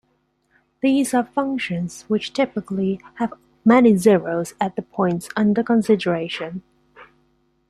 These are functions which typically have many zeros at the points under consideration.